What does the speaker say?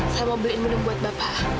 saya mau beliin minum buat bapak